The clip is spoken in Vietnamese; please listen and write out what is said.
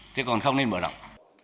thế còn không nên mở rộng